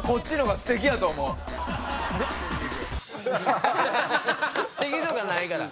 すてきとかないから。